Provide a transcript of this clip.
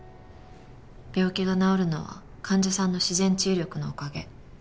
病気が治るのは患者さんの自然治癒力のおかげ。